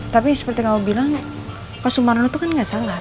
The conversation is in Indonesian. tapi seperti kamu bilang pak sumarno itu kan nggak salah